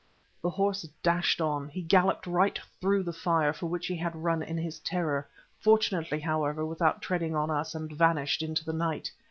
The horse dashed on. He galloped right through the fire, for which he had run in his terror, fortunately, however, without treading on us, and vanished into the night.